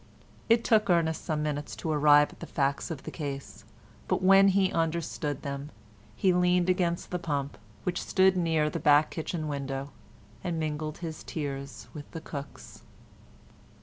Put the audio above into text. It took Ernest some minutes to arrive at the facts of the case, but when he understood them he leaned against the pump, which stood near the back kitchen window, and mingled his tears with the cook's.